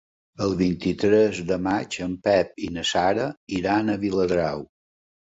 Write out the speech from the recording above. El vint-i-tres de maig en Pep i na Sara iran a Viladrau.